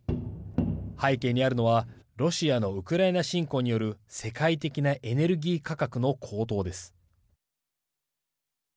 背景にあるのはロシアのウクライナ侵攻による世界的なエネルギー価格の高騰です。